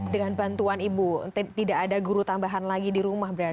dengan bantuan ibu tidak ada guru tambahan lagi di rumah berarti